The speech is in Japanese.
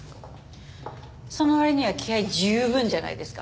その割には気合十分じゃないですか。